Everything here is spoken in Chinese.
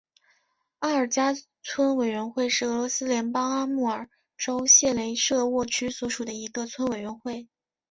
阿尔加村委员会是俄罗斯联邦阿穆尔州谢雷舍沃区所属的一个村委员会。